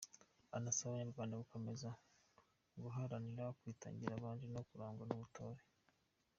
Anasaba abanyarwanda gukomeza guharanira kwitangira abandi no kurangwa n’ubutore.